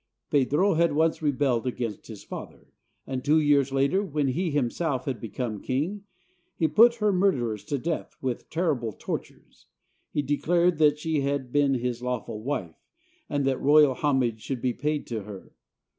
Pedro at once rebelled against his father; and two years later, when he himself had become king, he put her murderers to death with terrible tortures. He declared that she had been his lawful wife and that royal homage should be paid to her.